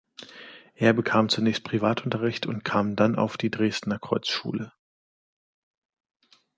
Er bekam zunächst Privatunterricht und kam dann auf die Dresdner Kreuzschule.